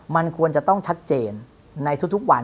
มันควรจะต้องชัดเจนในทุกวัน